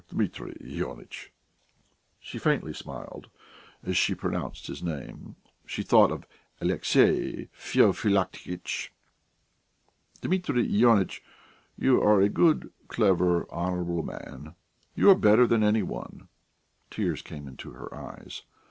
Dmitri Ionitch" (she faintly smiled as she pronounced his name; she thought of "Alexey Feofilaktitch") "Dmitri Ionitch, you are a good, clever, honourable man; you are better than any one...." Tears came into her eyes.